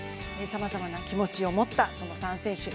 さまざまな気持ちを持った３選手。